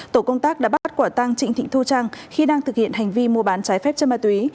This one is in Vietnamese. tổ công tác đã bắt quả tăng trịnh thị thu trang khi đang thực hiện hành vi mua bán trái phép chất ma túy